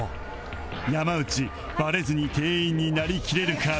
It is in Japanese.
山内バレずに店員になりきれるか？